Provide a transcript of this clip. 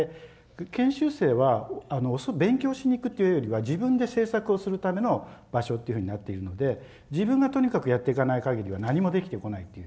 研修生は勉強しにいくというよりは自分で制作をするための場所というふうになっているので自分がとにかくやっていかないかぎりは何もできてこないという。